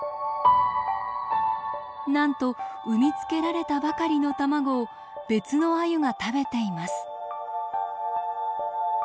なんと産み付けられたばかりの卵を別のアユが食べています。